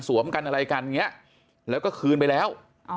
กันอะไรกันอย่างนี้แล้วก็คืนไปแล้ว